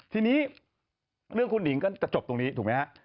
ทีนี้เรื่องคุณหนิงก็จะจบตรงนี้ถูกไหมฮะ